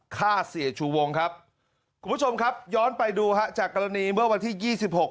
ฆ่าเสียชูวงครับคุณผู้ชมครับย้อนไปดูฮะจากกรณีเมื่อวันที่ยี่สิบหก